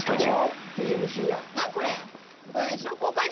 おっＴＭＣやん。